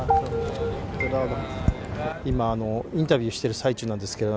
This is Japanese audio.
今、インタビューしている最中なんですけど